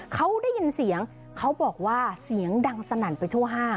เขาได้ยินเสียงเขาบอกว่าเสียงดังสนั่นไปทั่วห้าง